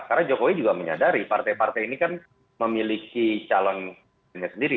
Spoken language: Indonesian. karena jokowi juga menyadari partai partai ini kan memiliki calonnya sendiri